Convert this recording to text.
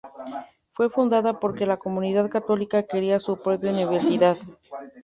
Fue fundada porque la comunidad católica quería su propia universidad.